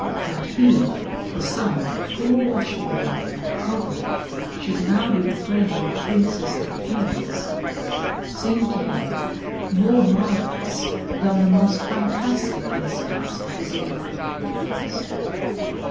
That he, the son of a poor washerwoman and a cobbler, should now be the friend of princes and kings, seemed to him more marvelous 31 MY BOOK HOUSE than the most fantastic incidents of his own fairy tales.